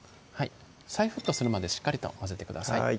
再沸騰するまでしっかりと混ぜてください